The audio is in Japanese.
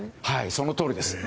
そのとおりです！